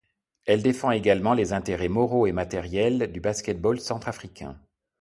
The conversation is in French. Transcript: Elle défend également les intérêts moraux et matériels du basket-ball centrafricain.